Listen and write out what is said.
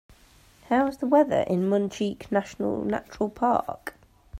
How's the weather in Munchique National Natural Park